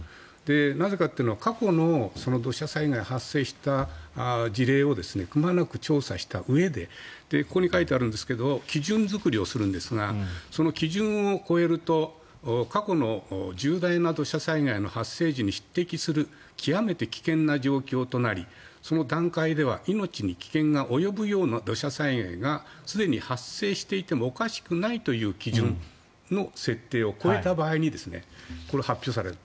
なぜかというのは過去の土砂災害発生した事例をくまなく調査したうえでここに書いてあるんですけど基準作りをするんですがその基準を超えると過去の重大な土砂災害の発生時に匹敵する極めて危険な状況となりその段階では命に危険が及ぶような土砂災害がすでに発生していてもおかしくないという基準の設定を超えた場合にこれは発表される。